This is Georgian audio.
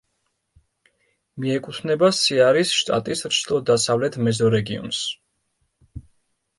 მიეკუთვნება სეარის შტატის ჩრდილო-დასავლეთ მეზორეგიონს.